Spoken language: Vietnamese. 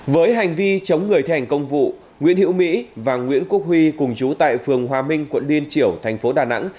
với hành vi chống người thi hành công vụ nguyễn hiễu mỹ và nguyễn quốc huy cùng chú tại phường hòa minh quận liên triểu thành phố đà nẵng